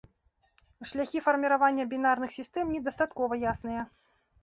Шляхі фарміравання бінарных сістэм недастаткова ясныя.